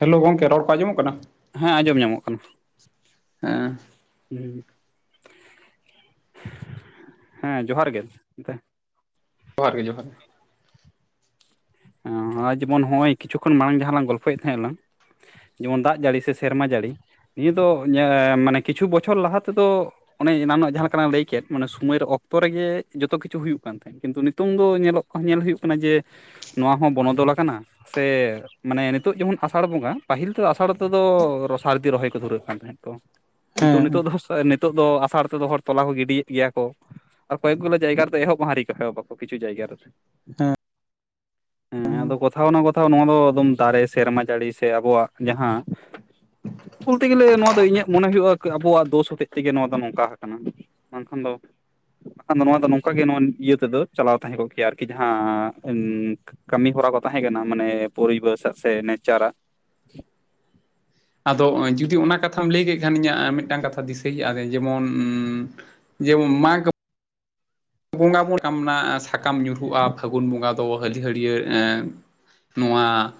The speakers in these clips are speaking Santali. ᱦᱮᱞᱳ ᱜᱚᱝᱠᱮ ᱨᱚᱲ ᱠᱚ ᱟᱸᱡᱚᱢᱚᱜ ᱠᱟᱱᱟ? ᱦᱮᱸ ᱟᱸᱡᱚᱢ ᱧᱟᱢᱚᱜ ᱠᱟᱱᱟ ᱦᱮᱸ ᱦᱮᱸ ᱡᱚᱦᱟᱨ ᱜᱮ ᱡᱚᱦᱟᱨ ᱜᱮ ᱡᱚᱦᱟᱨ ᱜᱮ ᱟᱨ ᱡᱮᱢᱚᱱ ᱦᱚᱜᱼᱚᱭ ᱠᱤᱪᱷᱩ ᱠᱷᱚᱱ ᱢᱟᱲᱟᱝ ᱡᱟᱦᱟᱸ ᱞᱟᱝ ᱜᱚᱞᱯᱷᱚᱭᱮᱫ ᱛᱟᱦᱮᱸ ᱟᱞᱟᱝ ᱡᱮᱢᱚᱱ ᱫᱟᱜ ᱡᱟᱹᱲᱤ ᱥᱮ ᱥᱮᱨᱢᱟ ᱡᱟᱹᱲᱤ ᱱᱤᱭᱟᱹ ᱫᱚ ᱧᱟ ᱢᱟᱱᱮ ᱠᱤᱪᱷᱩ ᱵᱚᱪᱷᱚᱨ ᱞᱟᱦᱟ ᱛᱮᱫᱚ ᱚᱱᱮ ᱮᱱᱟᱱᱚᱜ ᱡᱟᱦᱟᱸ ᱞᱮᱠᱟᱞᱟᱝ ᱞᱟᱹᱭ ᱠᱮᱫ ᱢᱟᱱᱮ ᱥᱩᱢᱟᱭ ᱨᱮ ᱚᱠᱛᱚ ᱨᱮᱜᱮ ᱡᱚᱛᱚ ᱠᱤᱪᱷᱩ ᱦᱩᱭᱩᱜ ᱠᱟᱱ ᱛᱟᱦᱮᱸᱱ ᱠᱤᱱᱛᱩ ᱱᱤᱛᱚᱝ ᱫᱚ ᱧᱮᱞᱚᱜ ᱧᱮᱞ ᱦᱩᱭᱩᱜ ᱠᱟᱱᱟ ᱡᱮ ᱱᱚᱣᱟ ᱦᱚᱸ ᱵᱚᱱᱚᱫᱚᱞ ᱟᱠᱟᱱᱟ ᱥᱮ ᱢᱟᱱᱮ ᱱᱤᱛᱚᱜ ᱡᱮᱢᱚᱱ ᱟᱥᱟᱲ ᱵᱚᱸᱜᱟ ᱯᱟᱹᱦᱤᱞ ᱛᱮᱫᱚ ᱟᱥᱟᱲ ᱛᱮᱫᱚ ᱨᱚᱥᱟᱨᱫᱤ ᱨᱚᱦᱚᱭ ᱠᱚ ᱫᱷᱩᱨᱟᱹᱜ ᱠᱟᱱ ᱛᱟᱦᱮᱸᱫ ᱠᱤᱱᱛᱩ ᱦᱮᱸ ᱱᱤᱛᱚᱜ ᱫᱚ ᱦᱚᱥᱮ ᱱᱤᱛᱚᱜ ᱫᱚ ᱟᱥᱟᱲ ᱛᱮᱫᱚ ᱦᱚᱲ ᱛᱚᱞᱟ ᱠᱚ ᱜᱤᱰᱤᱭᱮᱫ ᱜᱮᱭᱟ ᱠᱚ ᱟᱨ ᱠᱚᱭᱮᱠ ᱜᱩᱞᱟ ᱡᱟᱭᱜᱟᱨᱮ ᱫᱚ ᱮᱦᱚᱵ ᱦᱚ ᱟᱹᱣᱨᱤ ᱠᱚ ᱮᱦᱚᱵ ᱟᱠᱚ ᱠᱤᱪᱩ ᱡᱟᱭᱜᱟ ᱨᱮ ᱦᱮᱸ ᱟᱫᱚ ᱠᱚᱛᱷᱟᱣᱱᱚ ᱠᱚᱛᱷᱟᱣ ᱱᱚᱣᱟ ᱫᱚ ᱮᱫᱚᱢ ᱫᱟᱨᱮ ᱥᱮᱨᱢᱟ ᱡᱟᱹᱲᱤ ᱥᱮ ᱟᱵᱚᱣᱟᱜ ᱡᱟᱦᱟᱸ ᱵᱚᱞᱛᱮ ᱜᱮᱞᱮ ᱱᱚᱣᱟ ᱫᱚ ᱤᱧᱟᱹᱜ ᱢᱚᱱᱮ ᱦᱩᱭᱩᱜᱼᱟ ᱟᱵᱚᱣᱟᱜ ᱫᱳᱥ ᱦᱚᱛᱮᱡ ᱛᱮᱜᱮ ᱱᱚᱣᱟ ᱫᱚ ᱱᱚᱝᱠᱟ ᱦᱟᱠᱟᱱᱟ ᱵᱟᱝᱠᱷᱟᱱ ᱫᱚ ᱵᱟᱸᱠᱷᱟᱱ ᱫᱚ ᱱᱚᱣᱟ ᱫᱚ ᱱᱚᱝᱠᱟ ᱜᱮ ᱱᱚᱣᱟ ᱤᱭᱟᱹ ᱛᱮᱜ ᱫᱚ ᱪᱟᱞᱟᱣ ᱛᱟᱦᱮᱸ ᱠᱚᱜ ᱠᱮᱭᱟ ᱟᱨᱠᱤ ᱡᱟᱦᱟᱸ ᱠᱟᱹᱢᱤ ᱦᱚᱨᱟ ᱠᱚ ᱛᱟᱦᱮᱸ ᱠᱟᱱᱟ ᱢᱟᱱᱮ ᱯᱚᱨᱤᱵᱮᱥᱟᱜ ᱥᱮ ᱱᱮᱪᱟᱨᱟᱜ ᱟᱫᱚ ᱚᱸᱭ ᱡᱩᱫᱤ ᱚᱱᱟ ᱠᱟᱛᱷᱟᱢ ᱞᱮᱭ ᱠᱮᱜ ᱠᱷᱟᱱ ᱤᱧᱟᱹᱜ ᱢᱮᱫᱴᱟᱝ ᱠᱟᱛᱷᱟ ᱫᱤᱥᱟᱹ ᱦᱮᱡ ᱟᱫᱤᱧ ᱡᱮᱢᱚᱱ ᱡᱮ ᱵᱚᱱ ᱢᱟᱜᱟ [unintelligible] ᱥᱟᱠᱟᱢ ᱱᱟᱸᱜ ᱥᱟᱠᱟᱢ ᱧᱩᱨᱩᱜᱼᱟ ᱯᱷᱟᱹᱜᱩᱱ ᱵᱚᱸᱜᱟ ᱫᱚ ᱦᱟᱹᱞᱤᱦᱟᱹᱲᱭᱟᱹᱲ ᱮᱸ ᱱᱚᱣᱟ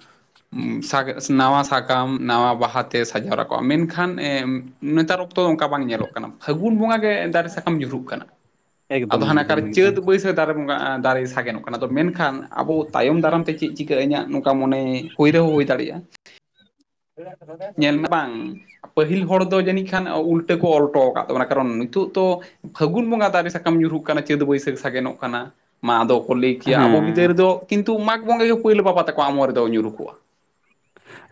ᱥᱟ ᱱᱟᱣᱟ ᱥᱟᱠᱟᱢ ᱱᱟᱣᱟ ᱵᱟᱦᱟ ᱛᱮ ᱥᱟᱡᱟᱣ ᱨᱟᱠᱟᱵᱼᱟ ᱢᱮᱱᱠᱷᱟᱱ ᱮ ᱱᱮᱛᱟᱨ ᱚᱠᱛᱚ ᱚᱱᱠᱟ ᱵᱟᱝ ᱧᱮᱞᱚᱜ ᱠᱟᱱᱟ ᱯᱷᱟᱹᱜᱩᱱ ᱵᱚᱸᱜᱟ ᱜᱮ ᱫᱟᱨᱮ ᱥᱟᱠᱟᱢ ᱧᱩᱨᱩᱜ ᱠᱟᱱᱟ ᱟᱫᱚ ᱮᱠᱫᱚᱢ ᱦᱟᱱᱮ ᱮᱠᱫᱚᱢ ᱠᱟᱨᱮ ᱮᱠᱫᱚᱢ ᱪᱟᱹᱛ ᱵᱟᱹᱭᱥᱟᱹᱠᱷ ᱫᱟᱨᱮ ᱵᱚᱸᱜᱟ ᱫᱟᱨᱮ ᱥᱟᱜᱮᱱ ᱱᱚᱜ ᱠᱟᱱᱟ ᱟᱫᱚ ᱢᱮᱱᱠᱷᱟᱱ ᱟᱵᱚ ᱛᱟᱭᱚᱢ ᱫᱟᱨᱟᱢ ᱛᱮ ᱪᱮᱫ ᱪᱤᱠᱟᱹ ᱤᱧᱟᱹᱜ ᱱᱚᱝᱠᱟ ᱢᱚᱱᱮ ᱦᱩᱭ ᱨᱮᱦᱚᱸ ᱦᱩᱭ ᱫᱟᱲᱮᱭᱟᱜᱼᱟ᱾ ᱧᱮᱞ ᱢᱮ ᱵᱟᱝ, ᱯᱟᱹᱦᱤᱞ ᱦᱚᱲ ᱫᱚ ᱡᱟᱹᱱᱤᱡ ᱠᱷᱟᱱ ᱩᱞᱴᱟᱹ ᱠᱚ ᱚᱞ ᱦᱚᱴᱚ ᱟᱠᱟᱫ ᱛᱟᱵᱚᱱᱟ ᱠᱟᱨᱚᱱ ᱱᱤᱛᱚᱜ ᱫᱚ- ᱯᱷᱟᱹᱜᱩᱱ ᱵᱚᱸᱜᱟ ᱫᱟᱨᱮ ᱥᱟᱠᱟᱢ ᱧᱩᱨᱦᱩᱜ ᱠᱟᱱᱟ ᱪᱟᱹᱛ, ᱵᱟᱹᱭᱥᱟᱹᱠᱷ ᱥᱟᱜᱮᱱᱚᱜ ᱠᱟᱱᱟ᱾ ᱢᱟ ᱟᱫᱚ ᱠᱚ ᱞᱟᱹᱭ ᱠᱮᱭᱟ ᱟᱵᱚ ᱵᱤᱫᱟᱹᱞ ᱦᱮᱸ ᱨᱮᱫᱚ ᱠᱤᱱᱛᱩ ᱢᱟᱜᱽ ᱵᱚᱸᱜᱟ ᱜᱮ ᱯᱚᱭᱞᱳ ᱵᱟᱵᱟ ᱛᱟᱠᱚᱣᱟ ᱟᱢᱚᱞ ᱨᱮᱫᱚ ᱧᱩᱨᱩ ᱠᱚᱜᱼᱟ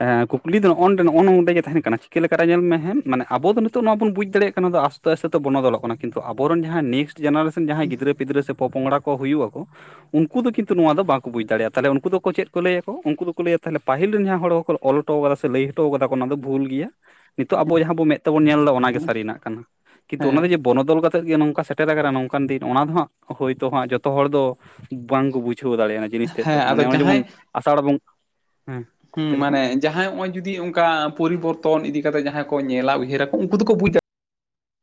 ᱮ ᱠᱩᱠᱞᱤ ᱫᱚ ᱱᱚᱜ ᱱᱚᱱᱰᱮ ᱱᱚᱜ-ᱚ ᱱᱚᱰᱮ ᱜᱮ ᱛᱟᱦᱮᱱ ᱠᱟᱱᱟ ᱪᱤᱠᱟᱹ ᱞᱮᱠᱟ ᱨᱮ ᱧᱮᱞ ᱢᱮ ᱦᱮᱸ ᱢᱟᱱᱮ ᱟᱵᱚ ᱫᱚ ᱱᱤᱛᱚᱜ ᱱᱚᱣᱟ ᱵᱚᱱ ᱵᱩᱡᱽ ᱫᱟᱲᱮᱭᱟᱜ ᱠᱟᱱᱟ ᱱᱚᱣᱟ ᱫᱚ - ᱯᱮᱥᱮᱛᱚ ᱵᱚᱱᱚᱫᱚᱞᱚᱜ ᱠᱟᱱᱟ ᱠᱤᱱᱛᱩ ᱟᱵᱚᱨᱮᱱ ᱡᱟᱦᱟᱸᱭ ᱱᱮᱠᱥᱴ ᱡᱮᱱᱟᱨᱮᱥᱮᱱ ᱡᱟᱦᱟᱸᱭ ᱜᱤᱫᱽᱨᱟᱹ ᱯᱤᱫᱽᱨᱟᱹ ᱥᱮ ᱯᱚᱯᱚᱝᱲᱟ ᱠᱚ ᱦᱩᱭᱩᱜᱼᱟᱠᱚ ᱩᱱᱠᱩ ᱫᱚ ᱠᱤᱱᱛᱩ ᱱᱚᱣᱟ ᱫᱚ ᱵᱟᱠᱚ ᱵᱩᱡᱽ ᱫᱟᱲᱮᱭᱟᱜᱼᱟ ᱛᱟᱦᱚᱞᱮ ᱩᱱᱠᱩ ᱫᱚᱠᱚ ᱪᱮᱫ ᱠᱚ ᱞᱟᱹᱭ ᱟᱠᱚ ᱩᱱᱠᱩ ᱫᱚᱠᱚ ᱞᱟᱹᱭᱟ ᱛᱟᱦᱮ ᱯᱟᱹᱦᱤᱞ ᱨᱮ ᱡᱟᱦᱟᱸ ᱦᱚᱲᱠᱚ ᱚᱞ ᱦᱚᱴᱚ ᱟᱠᱟ ᱠᱟᱫᱟ ᱥᱮ ᱞᱟᱹᱭ ᱦᱚᱴᱚ ᱠᱟᱫᱟ ᱠᱚ ᱚᱱᱟ ᱫᱚ ᱵᱷᱩᱞ ᱜᱮᱭᱟ ᱱᱤᱛᱚᱜ ᱟᱵᱚ ᱡᱟᱦᱟᱸ ᱵᱚ ᱢᱮᱫ ᱛᱮᱵᱚᱱ ᱧᱮᱞ ᱫᱟᱵᱚᱱ ᱚᱱᱟ ᱜᱮ ᱥᱟᱹᱨᱤ ᱱᱟᱜ ᱠᱟᱱᱟ ᱠᱤᱱᱛᱩ ᱚᱱᱟ ᱦᱮᱸ ᱫᱚ ᱡᱮ- ᱵᱚᱱᱚᱫᱚᱞ ᱠᱟᱛᱮᱫ ᱜᱮ ᱱᱚᱝᱠᱟ ᱥᱮᱴᱮᱨ ᱟᱠᱟᱱᱟ ᱱᱚᱝᱠᱟᱱ ᱫᱤᱱ ᱚᱱᱟ ᱫᱚ ᱦᱟᱸᱜ ᱦᱳᱭᱛᱳ ᱦᱟᱸᱜ ᱡᱚᱛᱚ ᱦᱚᱲ ᱫᱚ ᱵᱟᱝᱠᱚ ᱵᱩᱡᱷᱟᱹᱣ ᱫᱟᱲᱮᱭᱟᱜᱼᱟ ᱚᱱᱟ ᱡᱤᱱᱤᱥ ᱛᱮᱫ ᱦᱮᱸ ᱫᱚ ᱟᱫᱚ ᱢᱟᱱᱮ ᱚᱱᱟ ᱡᱮᱢᱚᱱ ᱡᱟᱦᱟᱸᱭ ᱟᱥᱟᱲ ᱵᱚᱱ ᱦᱮᱸ ᱦᱩᱸ ᱪᱮᱫ ᱞᱮᱠᱟ ᱢᱟᱱᱮ ᱡᱟᱦᱟᱸᱭ ᱦᱚᱜ ᱚᱭ ᱡᱩᱫᱤ ᱚᱱᱠᱟ ᱯᱚᱨᱤᱵᱚᱨᱛᱚᱱ ᱤᱫᱤ ᱠᱟᱛᱮᱜ ᱡᱟᱦᱟᱸᱭ ᱠᱚ ᱧᱮᱞᱟ ᱩᱭᱦᱟᱹᱨᱟ ᱟᱠᱚ ᱩᱱᱠᱩ ᱫᱚᱠᱚ ᱵᱩᱡᱟ,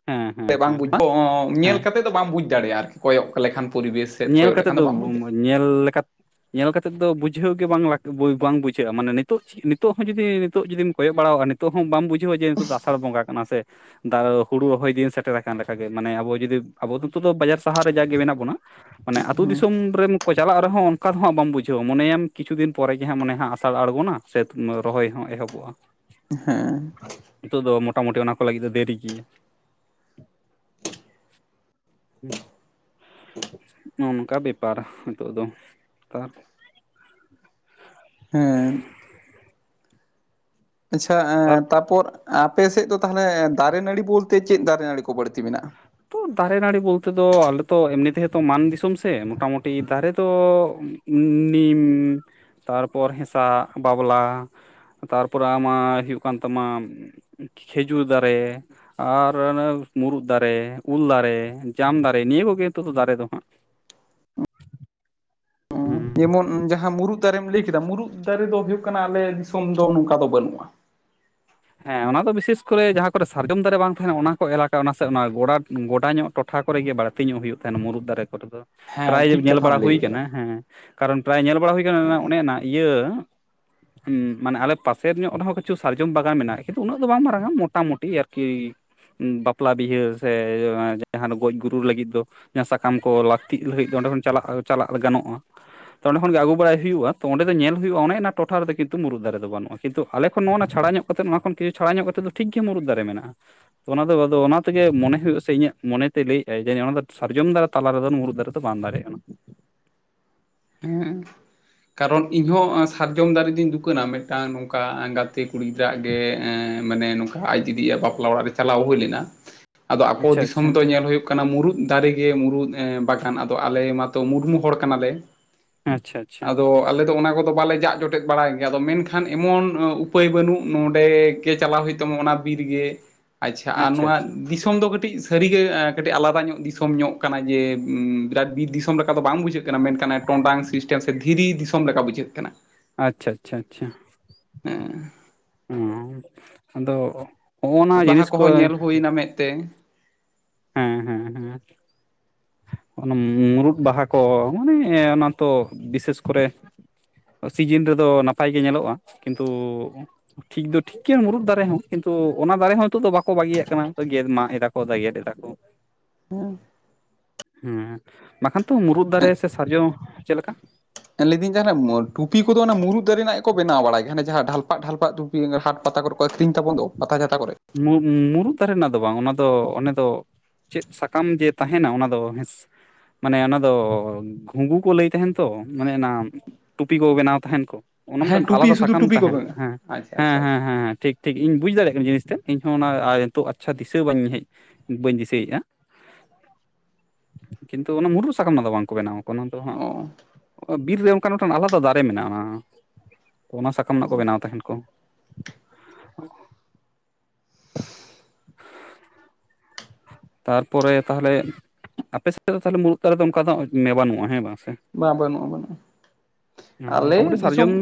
ᱦᱮᱸ ᱦᱮᱸ ᱵᱟᱝ ᱦᱮᱸ ᱵᱩᱡᱽ [unintelligible] ᱦᱮᱸ ᱧᱮᱞ ᱠᱟᱛᱮᱫ ᱫᱚ ᱵᱟᱢ ᱵᱩᱡᱽ ᱫᱟᱲᱮᱭᱟᱜᱼᱟ ᱟᱨᱠᱤ ᱠᱚᱭᱚᱜ ᱞᱮᱠᱷᱟᱱ ᱯᱚᱨᱤᱵᱮᱥ ᱥᱮᱫ ᱧᱮᱞ ᱠᱚᱭᱚᱜ ᱠᱟᱛᱮᱫ ᱞᱮᱠᱷᱟᱱ ᱫᱚ ᱵᱟᱢ ᱵᱩᱡᱽ ᱧᱮᱞ ᱞᱮᱠᱟ- ᱧᱮᱞ ᱠᱟᱛᱮᱫ ᱫᱚ ᱵᱩᱡᱷᱟᱹᱣ ᱜᱮ ᱵᱟᱝ ᱞᱟᱜ ᱵᱟᱝ ᱵᱩᱡᱷᱟᱹᱜᱼᱟ ᱢᱟᱱᱮ ᱱᱤᱛᱚᱜ ᱱᱤᱛᱚᱜ ᱦᱚᱸ ᱡᱩᱫᱤ ᱱᱤᱛᱚᱜ ᱡᱩᱫᱤᱢ ᱠᱚᱭᱚᱜ ᱵᱟᱲᱟᱣᱟ ᱱᱤᱛᱚᱜ ᱦᱚᱸ ᱵᱟᱢ ᱵᱩᱡᱷᱟᱹᱣᱟ ᱡᱮ ᱱᱤᱛᱚᱜ ᱫᱚ ᱟᱥᱟᱲ ᱵᱚᱸᱜᱟ ᱠᱟᱱᱟ ᱥᱮ ᱾ ᱫᱟ ᱦᱩᱲᱩ ᱨᱚᱦᱚᱭ ᱫᱤᱱ ᱥᱮᱴᱮᱨᱟ ᱟᱠᱟᱱ ᱞᱮᱠᱟᱜᱮ ᱢᱟᱱᱮ ᱟᱵᱚ ᱡᱩᱫᱤ ᱟᱵᱚ ᱫᱚ ᱱᱤᱛᱚᱜ ᱫᱚ ᱵᱟᱡᱟᱨ ᱥᱟᱦᱟᱨ ᱨᱮ ᱡᱟᱜ ᱜᱮ ᱢᱮᱱᱟᱜ ᱵᱚᱱᱟ ᱢᱟᱱᱮ ᱟᱹᱛᱩ ᱫᱟᱲᱮᱭᱟᱜᱼᱟ ᱫᱤᱥᱚᱢ ᱨᱮᱢ ᱠᱚ ᱪᱟᱞᱟᱜ ᱨᱮᱦᱚᱸ ᱚᱱᱠᱟ ᱫᱚ ᱦᱟᱸᱜ ᱵᱟᱢ ᱵᱩᱡᱷᱟᱹᱣᱟ ᱢᱚᱱᱮ ᱟᱢ ᱠᱤᱪᱷᱩ ᱫᱤᱱ ᱯᱚᱨᱮ ᱜᱮ ᱦᱟᱸᱜ ᱢᱚᱱᱮ ᱦᱟᱜ ᱟᱥᱟᱲ ᱟᱬᱜᱚᱱᱟ ᱥᱮ ᱨᱚᱦᱚᱭ ᱦᱚᱸ ᱮᱦᱚᱵᱚᱜᱼᱟ᱾ [unintelligible] ᱦᱮᱸᱻ ᱱᱤᱛᱚᱜ ᱫᱚ ᱢᱚᱴᱟᱢᱩᱴᱤ ᱚᱱᱟ ᱠᱚ ᱞᱟᱹᱜᱤᱫ ᱫᱚ ᱫᱮᱨᱤ ᱜᱮᱭᱟ᱾ ᱱᱚᱜ ᱱᱚᱝᱠᱟ ᱵᱮᱯᱟᱨ ᱱᱤᱛᱚᱜ ᱫᱚ ᱮᱠᱟᱞ ᱦᱮᱸᱻ ᱟᱪᱪᱷᱟ ᱮᱸ ᱛᱟᱯᱚᱨ ᱟᱯᱮ ᱥᱮᱫ ᱫᱚ ᱛᱟᱦᱚᱞᱮ ᱫᱟᱨᱮ ᱱᱟᱹᱲᱤ ᱵᱚᱞᱛᱮ ᱪᱮᱫ ᱫᱟᱨᱮ ᱱᱟᱹᱲᱤ ᱠᱚ ᱵᱟᱹᱲᱛᱤ ᱢᱮᱱᱟᱜᱼᱟ? ᱛᱚ ᱫᱟᱨᱮ ᱱᱟᱹᱲᱤ ᱵᱚᱞᱛᱮ ᱫᱚ ᱟᱞᱮ ᱛᱚ ᱮᱢᱱᱤ ᱛᱮᱦᱚ ᱛᱚ ᱢᱟᱱ ᱫᱤᱥᱚᱢ ᱥᱮ ᱢᱚᱴᱟᱢᱩᱴᱤ ᱫᱟᱨᱮ ᱫᱚ ᱱᱤᱢ ᱛᱟᱨᱯᱚᱨ ᱦᱮᱸᱥᱟᱜ, ᱵᱟᱵᱞᱟ ᱛᱟᱨᱯᱚᱨᱮ ᱟᱢᱟᱜ ᱦᱩᱭᱩᱜ ᱠᱟᱱ ᱛᱟᱢᱟ ᱾ ᱠᱷᱮᱡᱩᱨ ᱫᱟᱨᱮ ᱟᱨ ᱚᱱᱮ ᱢᱩᱨᱩᱫ ᱫᱟᱨᱮ᱾ ᱩᱞ ᱫᱟᱨᱮ, ᱡᱟᱢ ᱫᱟᱨᱮ ᱱᱤᱭᱟᱹ ᱠᱚᱜᱮ ᱱᱤᱛᱚᱜ ᱫᱚ ᱫᱟᱨᱮ ᱫᱚ ᱦᱟᱸᱜ ᱾ ᱦᱩᱸ ᱡᱮᱢᱚᱱ ᱡᱟᱦᱟᱸ ᱢᱩᱨᱩᱫ ᱫᱟᱨᱮᱢ ᱞᱟᱹᱭ ᱠᱮᱫᱟ ᱢᱩᱨᱩᱫ ᱫᱟᱨᱮ ᱫᱚ ᱦᱩᱭᱩᱜ ᱠᱟᱱᱟ ᱟᱞᱮ ᱫᱤᱥᱚᱢ ᱫᱚ ᱱᱚᱝᱠᱟ ᱫᱚ ᱵᱟᱹᱱᱩᱜᱼᱟ ᱾ ᱦᱮᱸ ᱚᱱᱟ ᱫᱚ ᱵᱤᱥᱮᱥ ᱠᱚᱨᱮ ᱡᱟᱦᱟᱸ ᱠᱚᱨᱮ ᱥᱟᱨᱡᱚᱢ ᱫᱟᱨᱮ ᱵᱟᱝ ᱛᱟᱦᱮᱱᱟ ᱚᱱᱟ ᱠᱚ ᱮᱞᱟᱠᱟ ᱚᱱᱟ ᱥᱮ ᱚᱱᱟ ᱜᱚᱰᱟ ᱜᱚᱰᱟ ᱧᱚᱜ ᱴᱚᱴᱷᱟ ᱠᱚᱨᱮ ᱜᱮ ᱵᱟᱹᱲᱛᱤ ᱧᱚᱜ ᱦᱩᱭᱩᱜ ᱛᱟᱦᱮᱸᱱᱟ ᱢᱩᱨᱩᱫ ᱫᱟᱨᱮ ᱠᱚᱨᱮ ᱫᱚ ᱦᱮᱸ ᱯᱨᱟᱭ ᱴᱷᱤᱠ ᱧᱮᱞ ᱵᱟᱲᱟ ᱠᱟᱛᱷᱟᱢ ᱞᱟᱹᱭ ᱦᱩᱭ ᱟᱠᱟᱫᱟ᱾ ᱠᱟᱱᱟ ᱦᱮᱸ ᱠᱟᱨᱚᱱ ᱯᱨᱟᱭ ᱧᱮᱞ ᱵᱟᱲᱟ ᱦᱩᱭ ᱟᱠᱟᱱᱟ ᱚ ᱚᱱᱮ ᱱᱟᱜ ᱤᱭᱟᱹ, ᱢᱟᱱᱮ ᱟᱞᱮ ᱯᱟᱥᱮᱨ ᱧᱚᱜ ᱨᱮᱦᱚᱸ ᱠᱤᱪᱷᱩ ᱥᱟᱨᱡᱚᱢ ᱵᱟ ᱵᱟᱜᱟᱱ ᱢᱮᱱᱟᱜᱼᱟ ᱠᱤᱱᱛᱩ ᱩᱱᱟᱹᱜ ᱫᱚ ᱵᱟᱝ ᱢᱟᱨᱟᱝ-ᱟ ᱢᱚᱴᱟᱢᱩᱴᱤ ᱟᱨᱠᱤ᱾ ᱵᱟᱯᱞᱟ ᱵᱤᱦᱟᱹ ᱥᱮ ᱮᱻ ᱡᱟᱦᱟᱸ ᱫᱚ ᱜᱚᱡ ᱜᱩᱨᱩ ᱞᱟᱹᱜᱤᱫ ᱫᱚ ᱥᱟᱠᱟᱢ ᱠᱚ ᱞᱟᱹᱠᱛᱤᱜ ᱞᱟᱹᱜᱤᱫ ᱚᱸᱰᱮ ᱦᱚᱸ ᱪᱟᱞᱟᱜ ᱪᱟᱞᱟᱜ ᱜᱟᱱᱚᱜᱼᱟ᱾ ᱛᱚ ᱚᱸᱰᱮ ᱠᱷᱚᱱ ᱜᱮ ᱟᱹᱜᱩ ᱵᱟᱲᱟᱭ ᱦᱩᱭᱩᱜᱼᱟ ᱛᱚ ᱚᱸᱰᱮ ᱫᱚ ᱧᱮᱞ ᱦᱩᱭᱩᱜᱼᱟ ᱚᱱᱮ ᱚᱱᱟ ᱴᱚᱴᱷᱟ ᱨᱮᱫᱚ ᱠᱤᱱᱛᱩ ᱢᱩᱨᱩᱫ ᱫᱟᱨᱮ ᱫᱚ ᱵᱟᱹᱱᱩᱜᱼᱟ, ᱠᱤᱱᱛᱩ ᱟᱞᱮ ᱠᱷᱚᱱ ᱱᱚᱜᱼᱱᱟ ᱪᱷᱟᱲᱟ ᱧᱚᱜ ᱠᱟᱛᱮᱫ ᱱᱚᱣᱟ ᱠᱷᱚᱱ ᱠᱤᱪᱩ ᱪᱷᱟᱲᱟ ᱧᱚᱜ ᱠᱟᱛᱮᱫ ᱫᱚ ᱴᱷᱤᱠ ᱜᱮ ᱢᱩᱨᱩᱫ ᱫᱟᱨᱮ ᱢᱮᱱᱟᱜᱼᱟ᱾ ᱚᱱᱟ ᱫᱚ ᱟᱫᱚ ᱚᱱᱟ ᱛᱮᱜᱮ ᱢᱚᱱᱮ ᱦᱩᱭᱩᱜᱼᱟ ᱟᱥᱮ ᱤᱧᱟᱹᱜ ᱢᱚᱱᱮ ᱛᱮᱭ ᱞᱟᱹᱭᱮᱜ ᱟᱭ ᱡᱮ ᱚᱱᱟ ᱥᱟᱨᱡᱚᱢ ᱫᱟᱨᱮ ᱛᱟᱞᱟ ᱨᱮᱫᱚ ᱢᱩᱨᱩᱫ ᱫᱟᱨᱮ ᱫᱚ ᱵᱟᱝ ᱫᱟᱨᱮ ᱟᱱᱟ᱾ ᱦᱮᱸ ᱠᱟᱨᱚᱱ ᱤᱧ ᱦᱚᱸ ᱥᱟᱨᱡᱚᱢ ᱫᱟᱨᱮ ᱫᱚᱧ ᱫᱩᱠᱷᱱᱟ ᱢᱤᱫᱴᱟᱝ ᱱᱚᱝᱠᱟ ᱜᱟ ᱛᱮ ᱠᱩᱲᱤ ᱜᱤᱫᱽᱨᱟᱹ ᱜᱮ ᱮ ᱢᱟᱱᱮ ᱱᱚᱝᱠᱟ ᱟᱡ ᱫᱤᱫᱤᱭᱟᱜ ᱵᱟᱯᱞᱟ ᱚᱲᱟᱜ ᱨᱮ ᱪᱟᱞᱟᱣ ᱦᱩᱭ ᱞᱮᱱᱟ᱾ ᱟᱫᱚ ᱟᱠᱚ ᱟᱪᱪᱷᱟ ᱫᱤᱥᱚᱢ ᱟᱪᱪᱷᱟ ᱫᱚ ᱧᱮᱞ ᱦᱳᱭᱳᱜ ᱠᱟᱱᱟ ᱢᱩᱨᱩᱫ ᱫᱟᱨᱮ ᱜᱮ ᱢᱩᱨᱩᱫ. ᱮ ᱵᱟᱜᱟᱱ ᱟᱫᱚ ᱟᱞᱮ ᱢᱟᱛᱚ ᱢᱩᱨᱢᱩ ᱦᱚᱲ ᱠᱟᱱᱟᱞᱮ᱾ ᱦᱮᱸ ᱟᱪᱷᱟ ᱟᱫᱚ ᱟᱞᱮ ᱫᱚ ᱚᱱᱟ ᱠᱚᱫᱚ ᱵᱟᱞᱮ ᱡᱟᱜ ᱡᱚᱴᱮᱫ ᱵᱟᱲᱟᱭ ᱜᱮᱭᱟ ᱟᱫᱚ ᱢᱮᱱᱠᱷᱟᱱ ᱮᱢᱚᱱ ᱩᱯᱟᱹᱭ ᱵᱟᱹᱱᱩᱜ ᱱᱚᱰᱮ ᱜᱮ ᱪᱟᱞᱟᱣ ᱦᱩᱭᱩᱜ ᱛᱟᱢᱟ ᱚᱱᱟ ᱵᱤᱨ ᱜᱮ, ᱟᱪᱪᱷᱟ ᱟᱨ ᱱᱚᱣᱟ ᱫᱤᱥᱚᱢ ᱫᱚ ᱠᱟᱹᱴᱤᱡ ᱥᱟᱹᱨᱤᱜᱮ ᱠᱟᱹᱴᱤᱡ ᱟᱞᱟᱫᱟ ᱧᱚᱜ ᱫᱤᱥᱚᱢ ᱧᱚᱜ ᱠᱟᱱᱟ ᱡᱮ ᱵᱤᱨᱟᱴ ᱵᱤᱨ ᱫᱤᱥᱚᱢ ᱞᱮᱠᱟ ᱫᱚ ᱵᱟᱝ ᱵᱩᱡᱷᱟᱹᱜ ᱠᱟᱱᱟ ᱢᱮᱱᱠᱷᱟᱱ ᱴᱚᱸᱰᱟᱝ ᱥᱤᱥᱴᱮᱢ ᱥᱮ ᱫᱷᱤᱨᱤ ᱫᱤᱥᱚᱢ ᱞᱮᱠᱟ ᱵᱩᱡᱷᱟᱹᱜ ᱠᱟᱱᱟ᱾ ᱟᱪᱪᱷᱟ ᱟᱪᱪᱷᱟ ᱟᱪᱪᱷᱟ ᱦᱮ ᱚᱸ ᱟᱫᱚ ᱦᱚᱜ-ᱱᱟ ᱡᱤᱱᱤᱥ ᱠᱚ ᱢᱮᱜ ᱛᱮ ᱦᱮᱸ ᱦᱮᱸ ᱦᱮᱸ ᱚᱱᱟ ᱢᱩᱨᱩᱫ ᱵᱟᱦᱟ ᱠᱚ ᱢᱟᱱᱮ ᱚᱱᱟ ᱛᱚ ᱵᱤᱥᱮᱥ ᱠᱚᱨᱮ ᱥᱤᱡᱤᱱ ᱨᱮᱫᱚ ᱱᱟᱯᱟᱭ ᱜᱮ ᱧᱮᱞᱚᱜᱼᱟ, ᱠᱤᱱᱛᱩ ᱴᱷᱤᱠ ᱫᱚ ᱴᱷᱤᱠ ᱮᱠᱮᱱ ᱢᱩᱨᱩᱫ ᱫᱟᱨᱮ ᱦᱚᱸ ᱠᱤᱱᱛᱩ ᱚᱱᱟ ᱫᱟᱨᱮ ᱦᱚᱸ ᱱᱤᱛᱚᱜ ᱫᱚ ᱵᱟᱠᱚ ᱵᱟᱹᱜᱤᱭᱟᱜ ᱠᱟᱱᱟ ᱜᱮᱫ ᱢᱟᱜ ᱮᱫᱟ ᱠᱚ ᱜᱮᱫ ᱫᱟ, [inaudible] ᱦᱮᱸ ᱦᱮᱸ ᱵᱟᱠᱷᱟᱱ ᱛᱚ ᱢᱩᱨᱩᱫ ᱫᱟᱨᱮ ᱥᱮ ᱥᱟᱨᱡᱚ, ᱪᱮᱫ ᱞᱮᱠᱟ? ᱞᱟᱹᱭ ᱫᱟᱹᱧ ᱡᱟᱦᱟᱸ ᱴᱩᱯᱤ ᱠᱚᱫᱚ ᱚᱱᱟ ᱢᱩᱨᱩᱫ ᱫᱟᱨᱮ ᱨᱮᱱᱟᱜ ᱜᱮ ᱠᱚ ᱵᱮᱱᱟᱣ ᱵᱟᱲᱟᱭ ᱜᱮᱭᱟ ᱡᱟᱦᱟᱸ ᱰᱷᱟᱞᱯᱟᱜ ᱰᱷᱟᱞᱯᱟᱜ ᱴᱩᱯ ᱦᱩᱸ ᱦᱟᱴ ᱯᱟᱛᱟ ᱠᱚᱨᱮᱜ ᱠᱚ ᱟᱠᱨᱤᱧ ᱛᱟᱵᱚᱱ ᱫᱚ ᱯᱟᱛᱟ ᱪᱷᱟᱛᱟ ᱠᱚᱨᱮᱫ ᱢᱩᱡ ᱢᱩᱨᱩᱫ ᱫᱟᱨᱮᱱᱟᱜ ᱫᱚ ᱵᱟᱝ ᱚᱱᱟ ᱫᱚ ᱚᱱᱟ ᱫᱚ ᱪᱮᱫ ᱥᱟᱠᱟᱢ ᱡᱮ ᱛᱟᱦᱮᱱᱟ ᱚᱱᱟ ᱫᱚ ᱢᱟᱱᱮ ᱚᱱᱟ ᱫᱚ ᱜᱷᱩᱸᱜᱩ ᱠᱚ ᱞᱟᱹᱭ ᱛᱟᱦᱮᱱ ᱛᱚ ᱚᱱᱮ ᱚᱱᱟ ᱴᱩᱯᱤ ᱠᱚ ᱵᱮᱱᱟᱣ ᱛᱟᱦᱮᱱ ᱠᱚ ᱚᱱᱟ ᱦᱮᱸ ᱢᱤᱫᱴᱮᱱ ᱴᱩᱯᱤ ᱟᱞᱟᱫᱟ ᱥᱩᱫᱷᱩ ᱥᱟᱠᱟᱢ ᱴᱩᱯᱤ ᱠᱚ ᱛᱟᱦᱮᱱ ᱵᱮᱱᱟᱣ ᱦᱮᱸ ᱟᱪᱪᱷᱟ ᱦᱮᱸ ᱟᱪᱪᱷᱟ ᱦᱮᱸ ᱟᱪᱪᱷᱟ ᱦᱮᱸ ᱴᱷᱤᱠ ᱴᱷᱤᱠ ᱤᱧ ᱵᱩᱡᱽ ᱫᱟᱲᱮᱜ ᱠᱟᱹᱱᱤᱧ ᱡᱤᱱᱤᱥ ᱛᱮᱫ ᱤᱧᱦᱚᱸ ᱚᱱᱟ ᱱᱤᱛᱚᱜ ᱟᱪᱪᱷᱟ ᱫᱤᱥᱟᱹ ᱵᱟᱹᱧ ᱦᱮᱡ ᱵᱟᱹᱧ ᱫᱤᱥᱟᱹᱭᱮᱜ-ᱟ ᱠᱤᱱᱛᱩ ᱚᱱᱟ ᱢᱩᱨᱩᱜ ᱥᱟᱠᱟᱢ ᱫᱚ ᱵᱟᱝᱠᱚ ᱵᱮᱱᱟᱣᱟ ᱚᱱᱟ ᱫᱚ ᱦᱟᱸᱜ ᱚ ᱵᱤᱨ ᱨᱮ ᱚᱱᱠᱟᱱ ᱢᱤᱫᱴᱟᱝ ᱟᱞᱟᱫᱟ ᱫᱟᱨᱮ ᱢᱮᱱᱟᱜᱼᱟ ᱚᱱᱟ ᱚᱱᱟ ᱥᱟᱠᱟᱢ ᱨᱮᱱᱟᱜ ᱠᱚ ᱚ ᱵᱮᱱᱟᱣ ᱛᱟᱦᱮᱱ ᱠᱚ [inaudible] ᱛᱟᱨᱯᱚᱨᱮ ᱛᱟᱦᱞᱮ ᱟᱯᱮ ᱥᱮᱫ ᱫᱚ ᱛᱟᱦᱚᱞᱮ ᱢᱩᱬᱩᱫ ᱫᱟᱨᱮ ᱫᱚ ᱚᱱᱠᱟ ᱫᱚ ᱢᱮ ᱵᱟᱱᱩᱜᱼᱟ ᱦᱮᱸ ᱵᱟᱝ ᱥᱮ ᱵᱟᱝ ᱵᱟᱹᱱᱩᱜᱼᱟ ᱵᱟᱹᱱᱩᱜᱼᱟ ᱟᱞᱮ ᱢᱚᱴᱟᱢᱩᱴᱤ ᱥᱟᱨᱡᱚᱢ ᱫᱤᱥᱚᱢ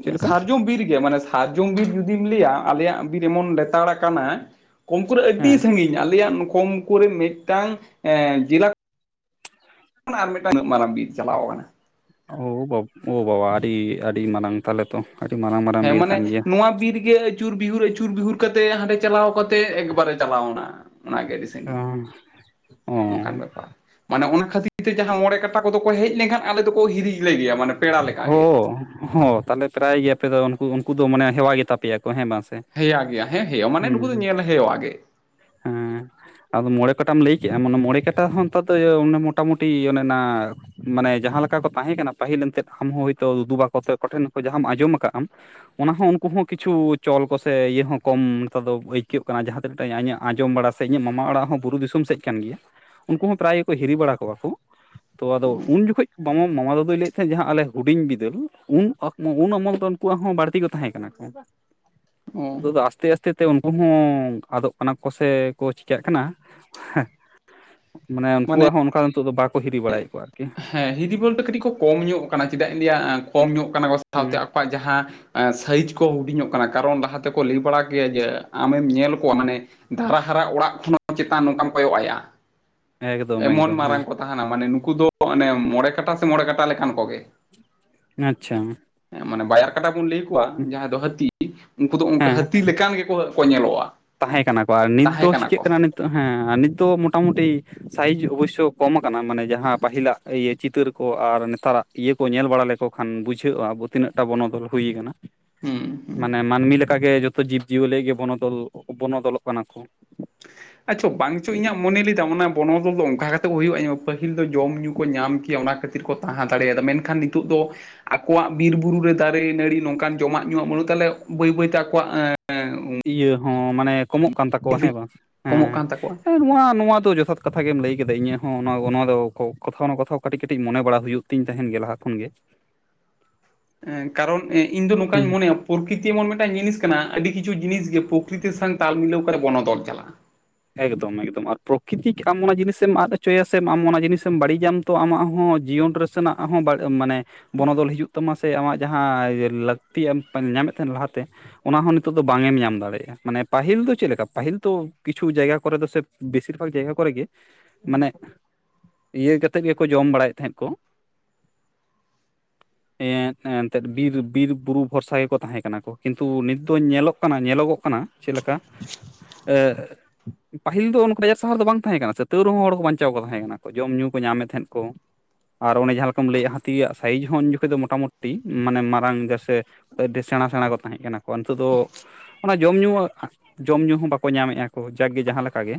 ᱪᱮᱫ ᱞᱮᱠᱟ ᱥᱟᱨᱡᱚᱢ ᱵᱤᱨ ᱜᱮ ᱢᱟᱱᱮ ᱥᱟᱨᱡᱚᱢ ᱵᱤᱨ ᱡᱩᱫᱤᱢ ᱞᱟᱹᱭᱟ ᱟᱞᱮᱭᱟᱜ ᱵᱤᱨ ᱮᱢᱚᱱ ᱞᱮᱛᱟᱲ ᱠᱟᱱᱟ ᱠᱚᱢ ᱠᱚᱨᱮ ᱟᱹᱰᱤ ᱦᱮᱸ ᱥᱟᱺᱜᱤᱧ ᱟᱞᱮᱭᱟᱜ ᱠᱚᱢ ᱠᱚᱨᱮ ᱢᱤᱫᱴᱟᱝ ᱡᱮᱞᱟ ᱟᱨ ᱢᱤᱫᱴᱟᱝ ᱩᱱᱟᱜ ᱢᱟᱨᱟᱝ ᱵᱤᱨ ᱪᱟᱞᱟᱣ ᱠᱟᱱᱟ ᱳ [unintelligible] ᱵᱟᱵᱟ ᱨᱮ ᱟᱹᱰᱤ ᱢᱟᱨᱟᱝ ᱛᱟᱦᱞᱮ ᱛᱚ ᱟᱹᱰᱤ ᱢᱟᱨᱟᱝ ᱢᱟᱨᱟᱝ ᱦᱮᱸ ᱵᱤᱨ ᱢᱟᱱᱮ ᱠᱟᱱ ᱜᱮᱭᱟ ᱱᱚᱣᱟ ᱵᱤᱨ ᱜᱮ ᱟᱹᱪᱩᱨ ᱵᱤᱦᱩᱨ ᱟᱹᱪᱩᱨ ᱵᱤᱦᱩᱨ ᱠᱟᱛᱮ ᱦᱟᱸᱰᱮ ᱪᱟᱞᱟᱣ ᱠᱟᱛᱮ ᱮᱠᱵᱟᱨᱮ ᱪᱟᱞᱟᱣᱱᱟ ᱚᱱᱟᱜᱮ ᱥᱟᱺᱜᱤᱧ ᱚ ᱚᱱᱠᱟᱱ ᱚ ᱵᱮᱯᱟᱨ ᱢᱟᱱᱮ ᱚᱱᱟ ᱠᱷᱟᱹᱛᱤᱨ ᱛᱮ ᱡᱟᱦᱟᱸ ᱢᱚᱬᱮ ᱠᱟᱴᱟ ᱠᱚᱫᱚ ᱠᱚ ᱦᱮᱡ ᱞᱮᱱᱠᱷᱟᱱ ᱟᱞᱮ ᱫᱚᱠᱚ ᱦᱤᱨᱤᱡ ᱞᱮᱜᱮᱭᱟ ᱢᱟᱱᱮ ᱯᱮᱲᱟ ᱚ ᱞᱮᱠᱟᱜᱮ ᱦᱚᱸ ᱛᱟᱦᱚᱞᱮ ᱯᱨᱟᱭ ᱜᱮ ᱟᱯᱮ ᱫᱚ ᱩᱱᱠᱩ ᱩᱱᱠᱩ ᱫᱚ ᱢᱟᱱᱮ ᱦᱮᱣᱟ ᱜᱮᱛᱟ ᱯᱮᱭᱟᱠᱚ ᱦᱮᱸ ᱵᱟᱝ ᱥᱮ ᱦᱮᱭᱟ ᱜᱮᱭᱟ ᱦᱮᱸ ᱦᱮᱸ ᱢᱟᱱᱮ ᱱᱩᱠᱩ ᱫᱚ ᱧᱮᱞ ᱦᱮᱣᱟ ᱜᱮ ᱦᱮ ᱟᱫᱚ ᱢᱚᱬᱮ ᱠᱟᱴᱟᱢ ᱞᱟᱹᱭ ᱠᱮᱜᱼᱟ [inaudible] ᱢᱚᱬᱮ ᱠᱟᱴᱟ ᱦᱚᱸ ᱱᱮᱛᱟᱨ ᱫᱚ ᱢᱚᱴᱟᱢᱩᱴᱤ ᱚᱱᱮ ᱚᱱᱟ ᱢᱟᱱᱮ ᱡᱟᱦᱟᱸ ᱞᱮᱠᱟ ᱠᱚ ᱛᱟᱦᱮᱸ ᱠᱟᱱᱟ ᱯᱟᱹᱦᱤᱞ ᱮᱱᱛᱮᱜ ᱟᱢᱦᱚᱸ ᱦᱳᱭᱛᱚ ᱫᱩᱫᱩᱵᱟ ᱠᱚᱛᱮ ᱠᱚᱴᱷᱮᱱ ᱠᱚᱢ ᱡᱟᱦᱟᱢ ᱠᱟᱜᱟᱢ ᱚᱱᱟ ᱦᱚᱸ ᱩᱱᱠᱩ ᱦᱚᱸ ᱠᱤᱪᱷᱩ ᱪᱚᱞ ᱠᱚᱥᱮ ᱤᱭᱟᱹ ᱦᱚᱸ ᱠᱚᱢ ᱱᱮᱛᱟᱨ ᱫᱚ ᱟᱹᱭᱠᱟᱹᱜ ᱠᱟᱱᱟ ᱡᱟᱦᱟᱸ ᱟᱡᱚᱢ ᱵᱟᱲᱟ ᱥᱮ ᱤᱧᱟᱹᱜ ᱢᱟᱢᱟ ᱚᱲᱟᱜ ᱦᱚᱸ ᱵᱩᱨᱩ ᱫᱤᱥᱚᱢ ᱥᱮᱫ ᱠᱟᱱ ᱜᱮᱭᱟ ᱩᱱᱠᱩ ᱦᱚ ᱯᱨᱟᱭ ᱜᱮᱠᱚ ᱦᱤᱨᱤ ᱵᱟᱲᱟ ᱠᱚᱣᱟ ᱠᱚ ᱛᱚ ᱟᱫᱚ ᱩᱱ ᱡᱚᱠᱷᱚᱡ ᱵᱟᱝ ᱢᱟᱢᱟ ᱫᱟᱫᱭ ᱞᱟᱹᱭᱮᱫ ᱛᱟᱦᱮᱫ ᱡᱟᱦᱟ ᱟᱞᱮ ᱦᱩᱰᱤᱧ ᱵᱤᱫᱟᱹᱞ ᱩᱱ ᱚᱢᱚᱞ ᱫᱚ ᱩᱱᱠᱩᱣᱟᱜ ᱦᱚᱸ ᱵᱟᱹᱲᱛᱤ ᱠᱚ ᱛᱟᱦᱮᱸ ᱠᱟᱱᱟ ᱠᱚ ᱚ ᱱᱤᱛᱚᱫᱚ ᱟᱛᱮ ᱟᱥ ᱦᱚᱛᱮ ᱛᱮ ᱩᱱᱠᱩ ᱦᱚ ᱟᱫᱚ ᱠᱟᱱᱟ ᱠᱚ ᱥᱮ ᱠᱚ ᱪᱤᱠᱟᱹ ᱠᱟᱱᱟ ᱢᱟᱱᱮ ᱩᱱᱠᱩᱣᱟᱜ ᱦᱚ ᱚᱱᱠᱟ ᱱᱤᱛᱚᱜ ᱫᱚ ᱵᱟᱠᱚ ᱦᱤᱨᱤ ᱵᱟᱲᱟᱭᱮᱫ ᱠᱚᱣᱟ ᱟᱨᱠᱤ ᱦᱮᱸ ᱦᱤᱫᱤ ᱵᱚᱞᱛᱮ ᱠᱟᱴᱤᱡ ᱠᱚ ᱠᱚᱢ ᱧᱚᱜ ᱠᱟᱱᱟ ᱪᱮᱫᱟᱜ ᱤᱧ ᱞᱟ. ᱭᱟ ᱠᱚᱢ ᱧᱚᱜ ᱠᱟᱱᱟ ᱠᱚ ᱥᱟᱶᱛᱮ ᱟᱠ ᱦᱩᱸ ᱟᱠᱚᱣᱟᱜ ᱡᱟᱦᱟ ᱥᱟᱭᱤᱡ ᱠᱚ ᱦᱩᱰᱤᱧᱚᱜ ᱠᱟᱱᱟ ᱠᱟᱨᱚᱱ ᱞᱟᱦᱟ ᱛᱮᱠᱚ ᱞᱟᱹᱭ ᱵᱟᱲᱟ ᱠᱮᱭᱟ ᱡᱮ ᱟᱢᱮᱢ ᱧᱮᱞ ᱠᱚᱣᱟ ᱢᱟᱱᱮ ᱫᱟᱨᱟ ᱦᱟᱨᱟ ᱚᱲᱟᱜ ᱠᱷᱚᱱ ᱦᱚᱸ ᱪᱮᱛᱟᱱ ᱱᱚᱠᱟᱢ ᱠᱚᱭᱚ ᱟᱭᱟ ᱮᱠᱫᱚᱢ ᱮᱢᱚᱱ ᱮᱠᱫᱚᱢ ᱢᱟᱨᱟᱝ ᱠᱚ ᱦᱮᱸ ᱛᱟᱦᱮᱱᱟ ᱢᱟᱱᱮ ᱱᱩᱠᱩ ᱫᱚ ᱚᱱᱮ ᱢᱚᱬᱮ ᱠᱟᱴᱟ ᱥᱮ ᱢᱚᱬᱮ ᱠᱟᱴᱟ ᱞᱮᱠᱟᱱ ᱠᱚᱜᱮ ᱱᱟᱪᱷᱟ ᱦᱮ ᱢᱟᱱᱮ ᱵᱟᱭᱟᱨ ᱠᱟᱰᱟ ᱵᱚᱱ ᱞᱟᱹᱭᱚᱣᱟ ᱡᱟᱦᱟᱸᱭ ᱫᱚ ᱦᱟᱹᱛᱤ ᱩᱱᱠᱩ ᱫᱚ ᱚᱱᱠᱟ ᱦᱮᱸ ᱦᱟᱹᱛᱤ ᱞᱮᱠ ᱠᱟᱱ ᱜᱮᱠᱚ ᱠᱚ ᱧᱮᱞᱚᱜᱼᱟ ᱛᱟᱦᱮᱸ ᱠᱟᱱᱟ ᱠᱚ ᱟᱨ ᱱᱤᱛ ᱫᱚ ᱛᱟᱦᱮᱸ ᱪᱤᱠᱟᱹᱜ ᱠᱚ ᱠᱟᱱᱟ ᱱᱤᱛᱚᱜ ᱦᱮᱸ ᱱᱤᱛ ᱫᱚ ᱢᱚᱴᱟᱢᱩᱴᱤ ᱥᱟᱭᱤᱡᱽ ᱚᱵᱚᱥᱥᱚ ᱠᱚᱢ ᱠᱟᱱᱟ ᱢᱟᱱᱮ ᱡᱟᱦᱟᱸ ᱯᱟᱹᱦᱤᱞᱟᱜ ᱤᱭᱟᱹ ᱪᱤᱛᱟᱹᱨ ᱠᱚ ᱟᱨ ᱱᱮᱛᱟᱨᱟᱜ ᱤᱭᱟᱹ ᱠᱚ ᱧᱮᱞ ᱵᱟᱲᱟ ᱞᱮᱠᱚ ᱠᱷᱟᱱ ᱵᱩᱡᱷᱟᱹᱜ-ᱟ ᱟᱵᱚ ᱛᱤᱱᱟᱹᱜ ᱴᱟ ᱵᱚᱱᱚᱫᱚᱞ ᱦᱩᱭ ᱟᱠᱟᱱᱟ ᱦᱩᱸ ᱦᱩᱸ ᱢᱟᱱᱮ ᱢᱟᱹᱱᱢᱤ ᱞᱮᱠᱟᱜᱮ ᱡᱚᱛᱚ ᱡᱤᱵᱽ ᱡᱤᱭᱟᱹᱞᱤ ᱜᱮ ᱵᱚᱱᱚᱫᱚᱞ ᱵᱚᱱᱚᱫᱚᱞᱚᱜ ᱠᱟᱱᱟ ᱠᱚ ᱟᱪᱷᱟ ᱵᱟᱝᱪᱚ ᱤᱧᱟ ᱢᱚᱱᱮ ᱞᱟ. ᱭ ᱫᱟ ᱚᱱᱟ ᱵᱚᱱᱚᱫᱚᱞ ᱫᱚ ᱚᱱᱠᱟ ᱠᱟᱛᱮ ᱜᱮ ᱦᱩᱭᱩ-ᱟ ᱤᱧᱢᱟ ᱯᱟᱹᱦᱤᱞ ᱫᱚ ᱡᱚᱢ ᱧᱩ ᱠᱚ ᱧᱟᱢ ᱠᱮᱭᱟ ᱚᱱᱟ ᱠᱷᱟᱹᱛᱤᱨ ᱠᱷᱟᱛᱤᱨ ᱠᱚ ᱛᱟᱦᱮ ᱫᱟᱲᱮ ᱭᱟᱫᱟ ᱢᱮᱱᱠᱷᱟᱱ ᱱᱤᱛᱚᱜ ᱫᱚ ᱟᱠᱚᱣᱟᱜ ᱵᱤᱨᱼᱵᱩᱨᱩ ᱨᱮ ᱫᱟᱨᱮ ᱱᱟᱹᱲᱤ ᱱᱚᱝᱠᱟᱱ ᱡᱚᱢᱟᱜ ᱧᱩᱣᱟᱜ ᱵᱟᱹᱱᱩᱜ ᱛᱟᱞᱮ ᱵᱟᱹᱭ ᱵᱟᱹᱭᱛᱮ ᱟᱠᱚᱣᱟᱜ ᱤᱭᱟᱹ ᱦᱚᱸ ᱢᱟᱱᱮ ᱠᱚᱢᱚᱜ ᱠᱟᱱ ᱛᱟᱠᱚᱣᱟ ᱦᱮ ᱵᱟᱝ ᱠᱚᱢᱚᱜ ᱠᱟᱱ ᱛᱟᱠᱚᱣᱟ ᱦᱮ ᱱᱚᱣᱟ ᱱᱚᱣᱟ ᱫᱚ ᱡᱚᱛᱷᱟᱛ ᱠᱟᱛᱷᱟ ᱜᱮᱢ ᱞᱟᱹᱭ ᱠᱮᱫᱟ ᱤᱧᱟᱹᱜ ᱦᱚ ᱚᱱᱟ ᱫᱚ ᱠᱚᱛᱷᱟᱣ ᱱᱟ ᱠᱚᱛᱷᱟᱣ ᱦᱚ ᱠᱟᱹᱴᱤᱡ ᱠᱟᱹᱴᱤᱡ ᱢᱚᱱᱮ ᱵᱟᱲᱟ ᱦᱩᱭᱩᱜ ᱛᱤᱧ ᱛᱟᱦᱮᱱ ᱜᱮᱭᱟ ᱞᱟᱦᱟ ᱠᱷᱚᱱ ᱜᱮ ᱮ... ᱠᱟᱨᱚᱱ ᱤᱧ ᱫᱚ ᱱᱚᱝᱠᱟᱧ ᱦᱩᱸ ᱢᱚᱱᱮᱭᱟ ᱯᱚᱨᱠᱤᱛᱤ ᱮᱢᱚᱱ ᱢᱮᱫᱴᱟᱝ ᱡᱤᱱᱤᱥ ᱠᱟᱱᱟ ᱟᱹᱰᱤ ᱠᱤᱪᱷᱩ ᱡᱤᱱᱤᱥ ᱜᱮ ᱯᱚᱠᱨᱤᱛᱤ ᱥᱟᱝ ᱛᱟᱞ ᱢᱤᱞᱟᱹᱣ ᱠᱟᱛᱮ ᱵᱚᱱᱚᱫᱚᱞ ᱪᱟᱞᱟᱜᱼᱟ ᱮᱠᱫᱚᱢ ᱮᱠᱫᱚᱢ ᱟᱨ ᱯᱨᱚᱠᱤᱛᱤᱠ ᱟᱢ ᱚᱱᱟ ᱡᱤᱱᱤᱥᱮᱢ ᱟᱫ ᱦᱚᱪᱚᱭᱟ ᱥᱮᱢ, ᱟᱢ ᱚᱱᱟ ᱡᱤᱱᱤᱥᱮᱢ ᱵᱟᱲᱤᱡᱟᱢ ᱛᱚ ᱟᱢᱟᱜ ᱦᱚ ᱡᱤᱭᱚᱱ ᱨᱮᱥᱮ ᱱᱟᱜ ᱦᱚ ᱵᱟᱰ ᱢᱟᱱᱮ ᱵᱚᱱᱚᱫᱚᱞ ᱦᱤᱡᱩᱜ ᱛᱟᱢᱟ ᱥᱮ ᱥᱮ ᱟᱢᱟᱜ ᱡᱟᱦᱟᱸ ᱮᱸᱻ ᱞᱟᱹᱠᱛᱤᱭᱮᱢ ᱧᱟᱢᱮᱫ ᱛᱟᱦᱮᱱᱟ ᱞᱟᱦᱟᱛᱮ ᱚᱱᱟ ᱦᱚ ᱱᱤᱛᱚᱜ ᱫᱚ ᱵᱟᱝ ᱮᱢ ᱧᱟᱢ ᱫᱟᱲᱮᱭᱟᱜ-ᱟ ᱢᱟᱱᱮ ᱯᱟᱹᱦᱤᱞ ᱫᱚ ᱪᱮᱫ ᱞᱮᱠᱟ ᱯᱟᱹᱦᱤᱞ ᱫᱚ ᱠᱤᱪᱷᱩ ᱡᱟᱭᱜᱟ ᱠᱚᱨᱮ ᱫᱚ ᱥᱮ ᱵᱮᱥᱤᱨ ᱵᱷᱟᱜᱽ ᱡᱟᱭᱜᱟ ᱠᱚᱨᱮ ᱜᱮ ᱢᱟᱱᱮ ᱤᱭᱟᱹ ᱠᱟᱛᱮᱫ ᱜᱮᱠᱚ ᱡᱚᱢ ᱵᱟᱲᱟᱭᱮᱫ ᱛᱟᱦᱮᱫ ᱠᱚ ᱮᱱ ᱮᱱᱛᱮᱫ ᱵᱤᱨ ᱵᱤᱨ ᱵᱩᱨᱩ ᱵᱷᱚᱨᱥᱟ ᱜᱮᱠᱚ ᱛᱟᱦᱮ ᱠᱟᱱᱟ ᱠᱚ, ᱠᱤᱱᱛᱩ ᱱᱤᱛ ᱫᱚ ᱧᱮᱞᱚᱜ ᱠᱟᱱᱟ ᱧᱮᱞᱚᱜᱚᱜ ᱠᱟᱱᱟ ᱪᱮ ᱞᱮᱠᱟ ᱮᱻ ᱯᱟᱹᱦᱤᱞ ᱫᱚ ᱚᱱᱠᱟ ᱵᱟᱡᱟᱨ ᱥᱟᱦᱟᱨ ᱫᱚ ᱵᱟᱝ ᱛᱟᱦᱮ ᱠᱟᱱᱟ ᱥᱮ ᱛᱟᱹᱣ ᱨᱮᱦᱚ ᱦᱚᱲ ᱠᱚ ᱵᱟᱧᱪᱟᱣ ᱠᱚ ᱛᱟᱦᱮ ᱠᱟᱱᱟ ᱠᱚ ᱡᱚᱢ ᱧᱩ ᱠᱚ ᱧᱟᱢᱮᱫ ᱛᱟᱦᱮᱱ ᱠᱚ ᱟᱨ ᱚᱱᱮ ᱡᱟᱦᱟ ᱞᱮᱠᱟᱢ ᱞᱟᱹᱭᱮᱜ-ᱟ ᱦᱟᱹᱛᱤᱭᱟᱜ ᱥᱟᱭᱤᱡᱽ ᱦᱚ ᱩᱱ ᱡᱚᱠᱷᱚᱡ ᱫᱚ ᱢᱚᱴᱟᱢᱚᱴᱤ ᱢᱟᱱᱮ ᱢᱟᱨᱟᱝ ᱜᱮᱥᱮ ᱟᱰᱤ ᱥᱮᱬᱟ ᱥᱮᱬᱟ ᱠᱚ ᱛᱟᱦᱮ ᱠᱟᱱᱟ ᱠᱚ ᱟᱨ ᱱᱤᱛᱚᱜ ᱫᱚ ᱚᱱᱟ ᱡᱚᱢ ᱧᱩ ᱡᱚᱢ ᱧᱩ ᱦᱚ ᱵᱟᱠᱚ ᱧᱟᱢᱮᱜᱼᱟ ᱦᱚ ᱡᱟᱠ ᱜᱮ ᱡᱟᱦᱟ ᱞᱮᱠᱟ ᱜᱮ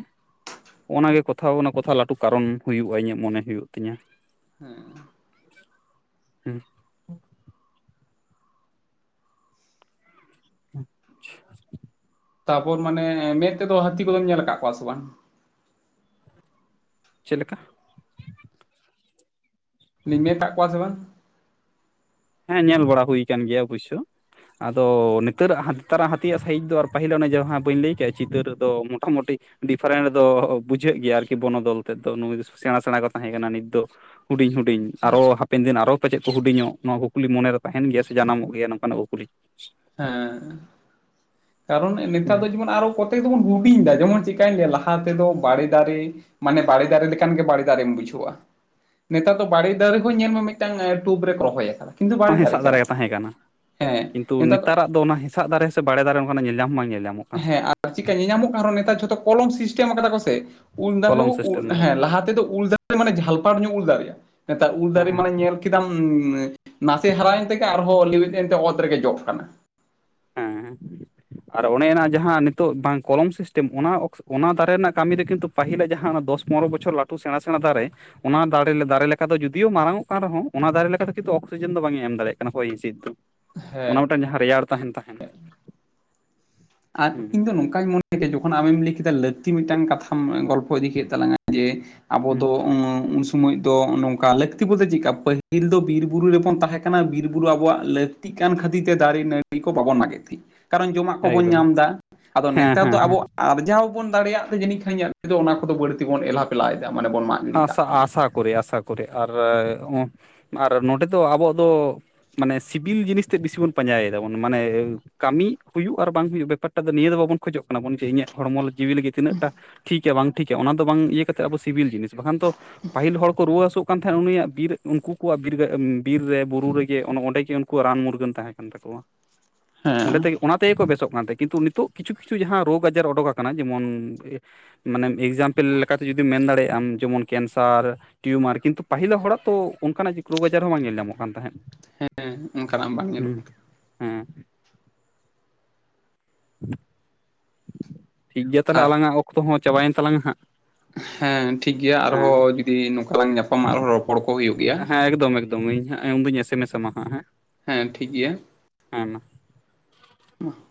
ᱦᱚᱜᱼᱱᱟ ᱜᱮ ᱠᱚᱛᱷᱟ ᱱᱟ ᱠᱟᱛᱷᱟ ᱞᱟᱹᱴᱩ ᱠᱟᱨᱚᱱ ᱦᱩᱭᱩᱜᱼᱟ ᱤᱧᱟᱹᱜ ᱢᱚᱱᱮ ᱦᱩᱭᱩᱜ ᱛᱤᱧᱟ ᱦᱮᱸᱻ ᱦᱮᱸ [inaudible] ᱛᱟᱯᱚᱨ ᱢᱟᱱᱮ ᱢᱮᱸᱫ ᱛᱮᱫᱚ ᱦᱟᱹᱛᱤ ᱠᱚᱫᱚᱢ ᱧᱮᱞ ᱟᱠᱟᱫ ᱠᱚᱣᱟ ᱥᱮ ᱵᱟᱝ? ᱪᱮᱫ ᱞᱮᱠᱟ? ᱞᱤᱧ ᱧᱮᱞ ᱠᱟᱫ ᱠᱚᱣᱟ ᱥᱮ ᱵᱟᱝ? ᱦᱮ ᱧᱮᱞ ᱵᱟᱲᱟ ᱦᱩᱭ ᱠᱟᱱ ᱜᱮᱭᱟ ᱚᱵᱚᱥᱥᱚ ᱟᱫᱚ ᱱᱤᱛᱟᱨᱟᱜ ᱦᱟᱛᱤ ᱱᱮᱛᱟᱨᱟᱜ ᱦᱟᱹᱛᱤᱭᱟᱜ ᱥᱟᱭᱤᱡ ᱫᱚ ᱟᱨ ᱯᱟᱹᱦᱤᱞ ᱚᱱᱮ ᱡᱟᱦᱟ ᱵᱟᱹᱧ ᱞᱟᱹᱭ ᱠᱮᱫ ᱪᱤᱛᱟᱹᱨ ᱫᱚ ᱢᱚᱴᱟᱢᱚᱴᱤ ᱰᱤᱯᱷᱟᱨᱮᱱᱴ ᱫᱚ ᱵᱩᱡᱷᱟᱹᱜ ᱜᱮᱭᱟ ᱟᱨᱠᱤ ᱵᱚᱱᱚᱫᱚᱞ ᱛᱮᱫ ᱫᱚ ᱱᱩᱭ ᱫᱚᱥᱮ ᱥᱮᱬᱟ ᱥᱮᱬᱟ ᱠᱚ ᱛᱟᱦᱮ ᱠᱟᱱᱟ ᱱᱤᱛ ᱫᱚ ᱦᱩᱰᱤᱧ ᱦᱩᱰᱤᱧ ᱟᱨᱚ ᱦᱟᱯᱮᱱ ᱫᱤᱱ ᱟᱨᱚ ᱯᱟᱪᱮᱫ ᱠᱚ ᱦᱩᱰᱤᱧᱚᱜ ᱱᱚᱣᱟ ᱠᱩᱠᱞᱤ ᱢᱚᱱᱮᱨᱮ ᱛᱟᱦᱮᱱ ᱜᱮᱭᱟ ᱥᱮ ᱡᱟᱱᱟᱢᱚᱜ ᱜᱮᱭᱟ ᱱᱚᱝᱠᱟᱱᱟᱜ ᱠᱩᱠᱞᱤ ᱦᱮᱸ ᱠᱟᱨᱚᱱ ᱱᱮᱛᱟᱨ ᱦᱩᱸ ᱫᱚ ᱡᱮᱢᱚᱱ ᱟᱨᱚ ᱠᱚᱛᱼᱼ ᱼᱼᱛᱮᱠ ᱫᱚ ᱵᱚᱱ ᱦᱩᱰᱤᱧ ᱫᱟ ᱡᱮᱢᱚᱱ ᱪᱮᱠᱟᱧ ᱞᱟᱹᱭᱟ ᱞᱟᱦᱟ ᱛᱮᱫᱚ ᱵᱟᱲᱮ ᱫᱟᱨᱮ ᱢᱟᱱᱮ ᱵᱟᱲᱮ ᱫᱟᱨᱮ ᱞᱮᱠᱟᱱ ᱜᱮ ᱵᱟᱲᱮ ᱫᱟᱨᱮᱢ ᱵᱩᱡᱷᱟᱹᱣᱟ ᱱᱮᱛᱟᱨ ᱫᱚ ᱵᱟᱲᱮ ᱫᱟᱨᱮ ᱦᱚ ᱧᱮᱞᱢᱮ ᱢᱤᱫᱴᱟᱝ ᱴᱩᱵ ᱨᱮᱠᱚ ᱨᱚᱦᱚᱭ ᱠᱟᱫᱟ ᱠᱤᱱᱛᱩ ᱵᱟᱲᱮ ᱫᱟᱨᱮ ᱠᱟᱱᱟ ᱦᱮᱸ ᱟᱜ ᱫᱚ ᱚᱱᱟ ᱦᱮᱸᱥᱟᱜ ᱫᱟᱨᱮ ᱥᱮ ᱵᱟᱲᱮ ᱫᱟᱨᱮ ᱚᱱᱠᱟ ᱧᱮᱞ ᱧᱟᱢ ᱦᱚ ᱵᱟᱝ ᱧᱮᱞ ᱧᱟᱢᱚᱜ ᱠᱟᱱᱟ ᱦᱮᱸ ᱟᱨ ᱪᱤᱠᱟ ᱧᱮᱧᱟᱢᱚᱜ ᱠᱟᱱ ᱨᱮᱦᱚᱸ ᱱᱮᱛᱟᱨ ᱡᱷᱚᱛᱚ ᱠᱚᱞᱚᱢ ᱥᱤᱥᱴᱮᱢ ᱠᱟᱫᱟ ᱠᱚ ᱥᱮ ᱩᱞ ᱫᱟᱨᱮ ᱠᱚᱞᱚᱢ ᱦᱚᱸ ᱩᱞ ᱥᱤᱥᱴᱮᱢ ᱠᱟᱛᱮ ᱦᱮᱸ ᱞᱟᱦᱟ ᱛᱮᱫᱚ ᱩᱞ ᱫᱟᱨᱮ ᱢᱟᱱᱮ ᱡᱷᱟᱞᱯᱟᱨ ᱧᱚᱜ ᱩᱞ ᱫᱟᱨᱮᱜᱼᱟ ᱱᱮᱛᱟᱨ ᱩᱞ ᱫᱟᱨᱮ ᱦᱮᱸ ᱢᱟᱱᱮ ᱧᱮᱞ ᱠᱮᱫᱟᱢ ᱱᱟᱥᱮ ᱦᱟᱨᱟᱭᱮᱱ ᱛᱮᱜᱮ ᱟᱨᱦᱚᱸ ᱞᱤᱣᱮᱫ ᱮᱱᱛᱮ ᱚᱛ ᱨᱮᱜᱮ ᱡᱚᱜ ᱠᱟᱱᱟ ᱦᱮᱸᱻ ᱟᱨ ᱚᱱᱮ ᱚᱱᱟ ᱡᱟᱦᱟᱸ ᱱᱤᱛᱳᱜ ᱵᱟᱝ ᱠᱚᱞᱚᱢ ᱥᱤᱥᱴᱮᱢ ᱚᱱᱟ ᱚᱱᱟ ᱫᱟᱨᱮ ᱨᱮᱱᱟᱜ ᱠᱟᱹᱢᱤ ᱫᱚ ᱠᱤᱱᱛᱩ ᱯᱟᱹᱦᱤᱞᱟᱜ ᱡᱟᱦᱟᱸ ᱫᱚᱥ ᱯᱚᱱᱨᱚ ᱵᱚᱪᱷᱚᱨ ᱞᱟᱹᱴᱩ ᱥᱮᱬᱟ ᱥᱮᱬᱟ ᱫᱟᱨᱮ ᱚᱱᱟ ᱫᱟᱨᱮ ᱫᱟᱨᱮ ᱞᱮᱠᱟ ᱫᱚ ᱡᱩᱫᱤᱭᱚ ᱢᱟᱨᱟᱝ ᱚᱜ ᱠᱟᱱ ᱨᱮᱦᱚ ᱚᱱᱟ ᱫᱟᱨᱮ ᱞᱮᱠᱟ ᱫᱚ ᱠᱤᱱᱛᱩ ᱚᱠᱥᱤᱡᱮᱱ ᱫᱚ ᱵᱟᱝᱼᱮ ᱮᱢ ᱫᱟᱲᱮᱭᱟᱜ ᱠᱟᱱᱟ ᱦᱚᱭ ᱦᱤᱸᱥᱤᱫ ᱫᱚ ᱚᱱᱟ ᱢᱤᱫᱴᱟᱝ ᱡᱟᱦᱟᱸ ᱨᱮᱭᱟᱲ ᱛᱟᱦᱮᱱ ᱛᱟᱦᱮᱱ ᱟᱨ ᱦᱩᱸ ᱤᱧ ᱫᱚ ᱱᱚᱝᱠᱟᱧ ᱢᱚᱱᱮ ᱜᱮ ᱡᱚᱼᱼ ᱼᱼᱠᱷᱚᱱ ᱟᱮᱢ ᱞᱟᱹᱭ ᱠᱮᱫᱟ ᱞᱟᱹᱠᱛᱤ ᱢᱤᱫᱴᱟᱝ ᱠᱟᱛᱷᱟᱢ ᱜᱚᱞᱯᱷᱚ ᱤᱫᱤ ᱠᱮᱫ ᱛᱟᱞᱟᱝᱟ ᱡᱮ ᱟᱵᱚ ᱦᱩᱸ ᱫᱚ ᱩᱸᱻ ᱥᱚᱢᱚᱭ ᱫᱚ ᱱᱚᱝᱠᱟ ᱞᱟᱹᱠᱛᱤ ᱵᱚᱞᱛᱮ ᱪᱮᱫ ᱞᱮᱠᱟ ᱯᱟᱹᱦᱤᱞ ᱫᱚ ᱵᱤᱨ ᱵᱩᱨᱩ ᱨᱮᱵᱚᱱ ᱛᱟᱦᱮᱸ ᱠᱟᱱᱟ ᱵᱤᱨ ᱵᱩᱨᱩ ᱟᱵᱚᱣᱟᱜ ᱞᱟᱹᱠᱼ ᱠᱟᱹᱜ [unintelligible] ᱠᱟᱱ ᱠᱷᱟᱹᱛᱤᱨ ᱛᱮ ᱫᱟᱨᱮ ᱱᱟᱹᱲᱤ ᱠᱚ ᱵᱟᱵᱚᱱ ᱢᱟᱜᱮᱛ ᱛᱟᱦᱮᱸ ᱠᱟᱨᱚᱱ ᱡᱚᱢᱟᱜ ᱠᱚᱵᱚᱱ ᱮᱠᱫᱚᱢ ᱧᱟᱢ ᱮᱫᱟ ᱟᱫᱚ ᱦᱮᱸ ᱱᱮᱛᱟᱨ ᱫᱚ ᱦᱮᱸ ᱟᱵᱚᱣᱟᱜ ᱟᱨ ᱡᱟᱦᱟᱸ ᱵᱚᱱ ᱫᱟᱲᱮᱭᱟᱜ ᱛᱮ ᱡᱟᱹᱱᱤᱡ ᱠᱷᱟᱱ ᱤᱧᱟᱹᱜ ᱫᱚ ᱚᱱᱟ ᱠᱚᱫᱚ ᱵᱟᱹᱲᱛᱤᱵᱚᱱ ᱮᱞᱟ ᱯᱮᱞᱟᱭᱮᱫᱟ ᱢᱟᱱᱮ ᱵᱚᱱ ᱢᱟᱜ ᱜᱤᱰᱤ ᱠᱟᱜ ᱟᱥᱟ ᱠᱟᱱᱟ ᱟᱥᱟ ᱠᱚᱨᱤ ᱟᱥᱟ ᱠᱚᱨᱤ ᱟᱨ ᱟᱨ ᱱᱚᱸᱰᱮ ᱫᱚ ᱟᱵᱚᱣᱟᱜ ᱫᱚ ᱢᱟᱱᱮ ᱥᱤᱵᱤᱞ ᱡᱤᱱᱤᱥ ᱛᱮᱫ ᱵᱮᱥᱤ ᱵᱚᱱ ᱯᱟᱸᱡᱟᱭ ᱮᱫᱟᱵᱚᱱ ᱢᱟᱱᱮ ᱠᱟᱹᱢᱤ ᱦᱩᱭᱩᱜ ᱟᱨ ᱵᱟᱝ ᱦᱩᱭᱩᱜ ᱵᱮᱯᱟᱨ ᱴᱟᱜ ᱫᱚ ᱱᱤᱭᱟᱹ ᱫᱚ ᱵᱟᱵᱚᱱ ᱠᱷᱚᱡᱚᱜ ᱠᱟᱱᱟ ᱵᱚᱱ ᱡᱮ ᱤᱧᱟᱹᱜ ᱦᱚᱲᱢᱚ ᱡᱤᱣᱤ ᱞᱟᱹᱜᱤᱫ ᱛᱤᱱᱟᱹᱜ ᱴᱟ ᱴᱷᱤᱠᱟ ᱵᱟᱝ ᱴᱷᱤᱠᱟ ᱚᱱᱟ ᱫᱚ ᱵᱟᱝ ᱤᱭᱟᱹ ᱠᱟᱛᱮ ᱟᱵᱚ ᱫᱚ ᱥᱤᱵᱤᱞ ᱡᱤᱱᱤᱥ ᱵᱟᱠᱷᱟᱱ ᱛᱚ ᱯᱟᱹᱦᱤᱞ ᱦᱚᱲ ᱠᱚ ᱨᱩᱣᱟᱹ ᱦᱟᱹᱥᱩᱜ ᱠᱟᱱ ᱛᱟᱦᱮᱸᱫ ᱩᱱᱤᱭᱟᱜ ᱵᱤᱨ ᱩᱱᱠᱩ ᱠᱚᱣᱟᱜ ᱵᱤᱨ ᱵᱤᱨ ᱨᱮ ᱵᱩᱨᱩ ᱨᱮᱜᱮ ᱚᱸᱰᱮ ᱜᱮ ᱩᱱᱠᱩᱣᱟᱜ ᱨᱟᱱ ᱢᱩᱨᱜᱟᱹᱱ ᱛᱟᱦᱮᱸ ᱠᱟᱱᱟ ᱠᱚᱣᱟ ᱦᱮᱸ ᱚᱸᱰᱮ ᱛᱮᱜᱮ ᱚᱱᱟ ᱛᱮᱜᱮ ᱠᱚ ᱵᱮᱥᱚᱜ ᱠᱟᱱᱛᱮ ᱠᱤᱱᱛᱩ ᱱᱤᱛᱚᱜ ᱠᱤᱪᱷᱩ ᱠᱤᱪᱷᱩ ᱡᱟᱦᱟᱸ ᱨᱳᱜᱽ ᱟᱡᱟᱨ ᱚᱰᱩᱠ ᱟᱠᱟᱱᱟ ᱡᱮᱢᱚᱱ ᱢᱟᱱᱮ ᱮᱠᱡᱟᱢᱯᱮᱞ ᱞᱮᱠᱟᱛᱮ ᱡᱩᱫᱤᱢ ᱢᱮᱱ ᱫᱟᱲᱮᱭᱟᱜᱼᱟᱢ ᱡᱮᱢᱚᱱ ᱠᱮᱱᱥᱟᱨ ᱴᱤᱭᱩᱢᱟᱨ ᱠᱤᱱᱛᱩ ᱯᱟᱹᱦᱤᱞᱟᱹ ᱦᱚᱲᱟᱜ ᱛᱚ ᱚᱱᱠᱟᱱᱟᱜ ᱨᱳᱜᱽ ᱟᱡᱟᱨ ᱦᱚᱸ ᱵᱟᱝ ᱧᱮᱞ ᱧᱟᱢᱚᱜ ᱠᱟᱱ ᱛᱟᱦᱮᱸᱫ᱾ ᱦᱮᱸᱜ ᱮᱢ ᱚᱱᱠᱟᱱᱟᱜ ᱵᱟᱝ ᱧᱮᱞᱚᱜ ᱦᱩᱸ ᱠᱟᱱᱛᱟᱦᱮᱱ ᱦᱮᱸ ᱴᱷᱤᱠᱜᱮᱭᱟ ᱛᱟᱦᱞᱮ ᱟᱨ ᱟᱞᱟᱝᱟᱜ ᱚᱠᱛᱚ ᱦᱚᱸ ᱪᱟᱵᱟᱭᱮᱱ ᱛᱟᱞᱟᱝ ᱟ ᱦᱟᱸᱜ᱾ ᱦᱮᱸ ᱴᱷᱤᱠ ᱜᱮᱭᱟ ᱦᱮᱸ ᱟᱨᱦᱚᱸ ᱡᱩᱫᱤ ᱱᱚᱝᱠᱟ ᱞᱟᱝ ᱧᱟᱯᱟᱢᱟ ᱟᱨᱦᱚᱸ ᱨᱚ ᱲᱚᱯᱚᱲ ᱠᱚ ᱦᱩᱭᱩᱜ ᱜᱮ ᱦᱮᱸ ᱮᱠᱫᱚᱢ ᱮᱠᱫᱚᱢ ᱤᱧ ᱦᱟᱜ ᱩᱱᱩᱧ ᱮᱥᱮᱢᱮᱥ ᱟᱢᱟ ᱦᱟᱸᱜ ᱦᱮᱸ ᱦᱮᱸ ᱴᱷᱤᱠ ᱜᱮᱭᱟ ᱦᱮ ᱢᱟ [unintelligible]